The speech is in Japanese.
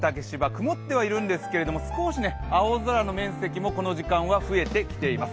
曇ってはいるんですけど少し青空の面積もこの時間増えてきています。